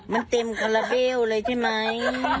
มันเต็มคาราเบลเลยใช่ไหม